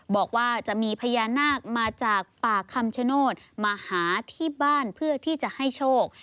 บอกว่าจะมีพญานาคมาจากป่าคำชโนธมาหาที่บ้านเพื่อที่จะให้โชค